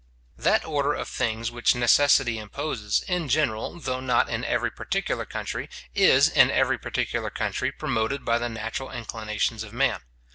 That order of things which necessity imposes, in general, though not in every particular country, is in every particular country promoted by the natural inclinations of man.